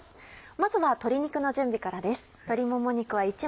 まずは鶏肉の準備からです。